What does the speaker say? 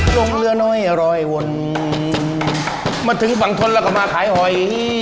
ลงเรือน้อยรอยวนมาถึงฝั่งทนแล้วก็มาขายหอย